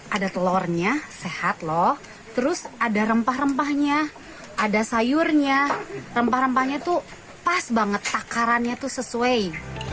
ada telurnya sehat loh terus ada rempah rempahnya ada sayurnya rempah rempahnya tuh pas banget takarannya tuh sesuai